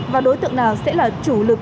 và đối tượng nào sẽ là chủ lực